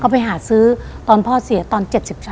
ไปหาซื้อตอนพ่อเสียตอน๗๒